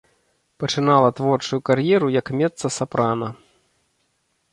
Пачынала творчую кар'еру як мецца-сапрана.